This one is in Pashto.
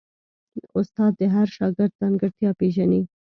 استاد د هر شاګرد ځانګړتیا پېژني.